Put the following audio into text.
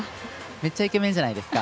めっちゃイケメンじゃないですか？